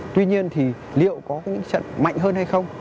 tuy nhiên thì liệu có những trận mạnh hơn hay không